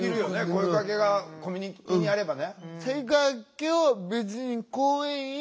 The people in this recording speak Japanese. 声かけがコミュニティーにあればね。